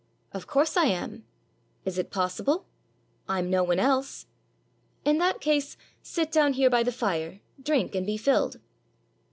"Of course I am." "Is it possible?" "I 'm no one else." "In that case, sit down here by the fire, drink, and be filled."